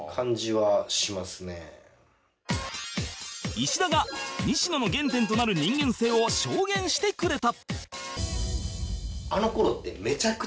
石田が西野の原点となる人間性を証言してくれた